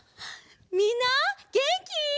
みんなげんき？